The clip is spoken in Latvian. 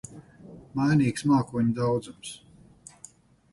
Mainīgs mākoņu daudzums.